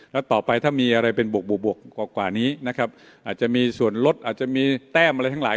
แล้วต่อไปถ้ามีอะไรเป็นบวกกว่านี้นะครับอาจจะมีส่วนลดอาจจะมีแต้มอะไรทั้งหลาย